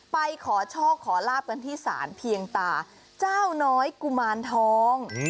ไปขอโชคขอลาบกันที่ศาลเพียงตาเจ้าน้อยกุมารทอง